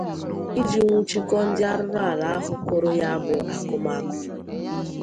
iji nwụchikọọ ndị arụrụ ala ahụ kụrụ ya bụ akụmakụ.